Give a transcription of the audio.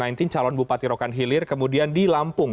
calon bupati rokan hilir kemudian di lampung